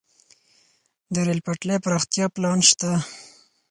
د ریل پټلۍ پراختیا پلان شته